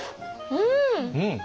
うん！